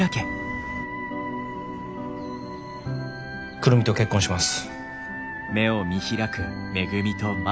久留美と結婚します。